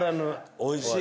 おいしい。